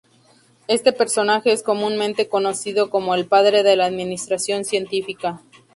Este personaje es comúnmente conocido como "El Padre de la Administración Científica.